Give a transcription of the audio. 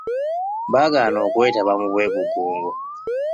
Baagana okwetaba mu bwegugungo.